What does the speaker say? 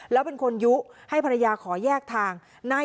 แล้วเป็นคนยุให้ภรรยาขอแยกทาง